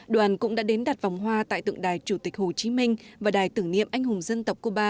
đoàn cũng đã đến đặt vòng hoa tại tượng đài chủ tịch hồ chí minh và đài tưởng niệm anh hùng dân tộc cuba